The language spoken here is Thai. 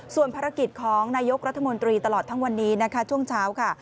ส่วนภารกิจของนายกรัฐมนตรีตลอดทั้งวันนี้นะคะช่วงเช้าค่ะ